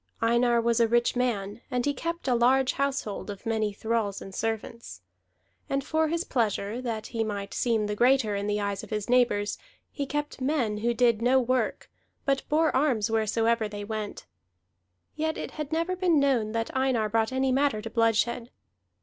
Einar was a rich man, and he kept a large household of many thralls and servants. And for his pleasure, that he might seem the greater in the eyes of his neighbors, he kept men who did no work, but bore arms wheresoever they went; yet it had never been known that Einar brought any matter to bloodshed.